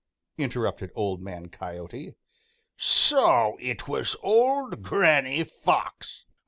interrupted Old Man Coyote. "So it was old Granny Fox!